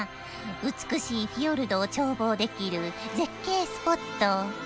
美しいフィヨルドを眺望できる絶景スポット。